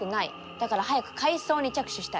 だから早く改装に着手したい。